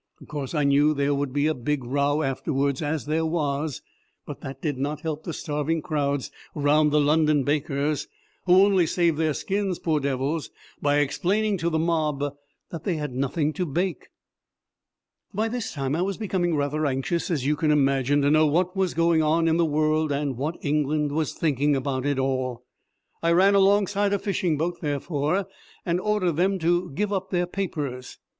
Of course, I knew there would be a big row afterwards as there was but that did not help the starving crowds round the London bakers, who only saved their skins, poor devils, by explaining to the mob that they had nothing to bake. By this time I was becoming rather anxious, as you can imagine, to know what was going on in the world and what England was thinking about it all. I ran alongside a fishing boat, therefore, and ordered them to give up their papers.